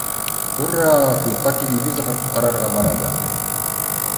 — Ур-ра-а, клубҡа телевизор ҡарарға барабыҙ